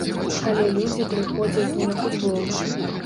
Але людзі прыходзяць не на футбол.